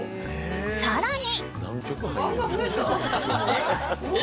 ［さらに］